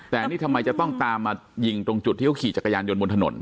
แต่นี่ทำไมจะต้องตามมายิงตรงจุดที่เขาขี่จักรยานยนต์บนถนน